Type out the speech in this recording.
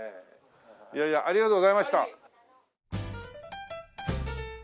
いやいやありがとうございました。